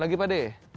lagi pak d